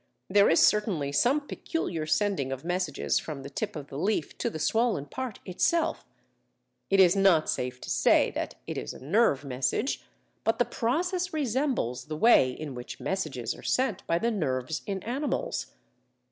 There is certainly some peculiar sending of messages from the tip of the leaf to the swollen part itself. It is not safe to say that it is a nerve message, but the process resembles the way in which messages are sent by the nerves in animals.